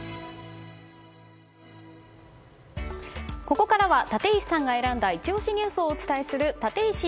ここからは立石さんが選んだイチ推しニュースをお伝えする